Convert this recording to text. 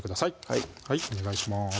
はいお願いします